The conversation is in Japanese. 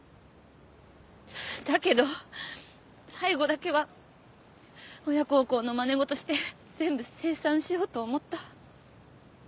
だけど最後だけは親孝行のまね事して全部清算しようと思った。